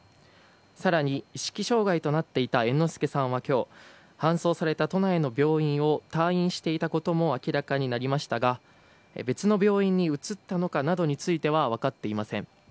更に、意識障害となっていた猿之助さんは今日、搬送された都内の病院を退院していたことも明らかになりましたが別の病院に移ったのかなどについては分かっていません。